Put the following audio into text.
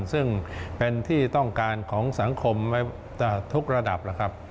ซึ่งเป็นที่ต้องการของสังคมไว้ทุกระดับแล้วครับ